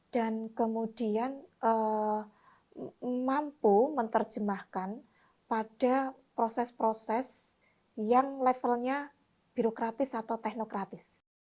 dan kemudian mampu menerjemahkan pada proses proses yang levelnya birokratis atau teknokratis